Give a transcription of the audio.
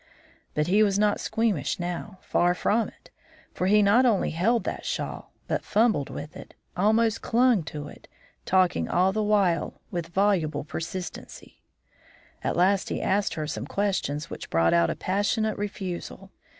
But he was not squeamish now far from it, for he not only held that shawl, but fumbled with it, almost clung to it, talking all the while with voluble persistency. At last he asked her some questions which brought out a passionate refusal.